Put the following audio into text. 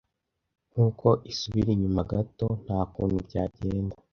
Nkuko isubira inyuma gato. Nta kuntu byagenda